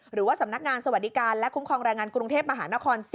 หรือว่าสำนักงานสวัสดิการและคุ้มครองแรงงานกรุงเทพมหานคร๔